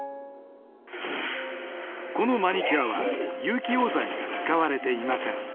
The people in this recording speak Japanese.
このマニキュアは有機溶剤が使われていません。